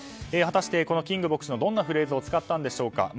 果たしてキング牧師のどんなフレーズを使ったんでしょうか。